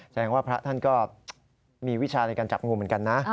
แสดงว่าพระท่านก็มีวิชาในการจับงูเหมือนกันนะ